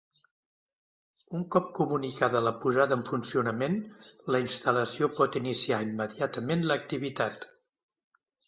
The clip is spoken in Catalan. Un cop comunicada la posada en funcionament, la instal·lació pot iniciar immediatament l'activitat.